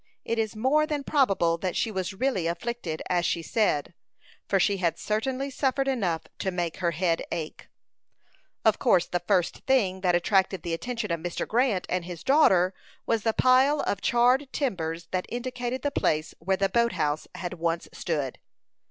It is more than probable that she was really afflicted, as she said; for she had certainly suffered enough to make her head ache. Of course the first thing that attracted the attention of Mr. Grant and his daughter was the pile of charred timbers that indicated the place where the boat house had once stood.